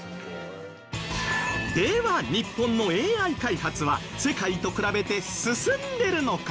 では日本のＡＩ開発は世界と比べて進んでるのか？